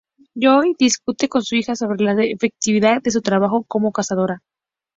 Joyce discute con su hija sobre la efectividad de su trabajo como Cazadora.